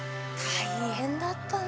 大変だったんだ。